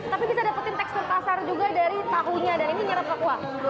tapi bisa dapetin tekstur kasar juga dari tahunya dan ini nyerap ke kuah